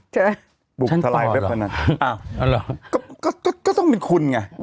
ฉันตอบเหรออ้าวก็ต้องมีคุณไง